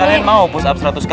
ibu supri ibu